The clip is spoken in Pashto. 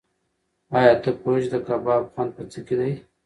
ایا ته پوهېږې چې د کباب خوند په څه کې دی؟